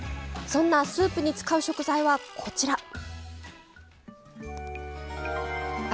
そんなスープに使う食材はこちら！